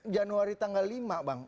januari tanggal lima bang